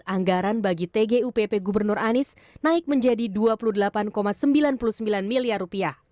anggaran bagi tgupp gubernur anies naik menjadi rp dua puluh delapan sembilan puluh sembilan miliar